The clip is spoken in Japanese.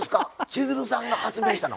千鶴さんが発明したの？